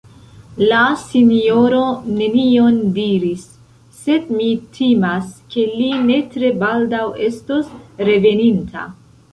La Sinjoro nenion diris, sed mi timas, ke li ne tre baldaŭ estos reveninta.